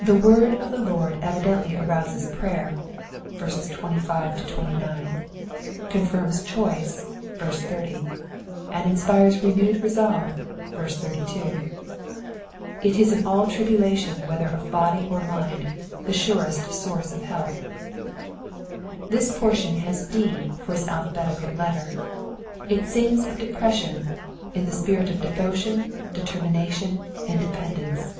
The word of the Lord evidently arouses prayer (25 — 29), confirms choice (80), and inspires re newed resolve (32) : it is in all tribulation whether of body or mind the surest source of help. This portion has D for its alphabetical letter : it sings of Depression, in the spirit of Devotion, Determination, and Dependence.